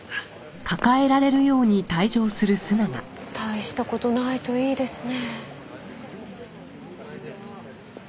大した事ないといいですね。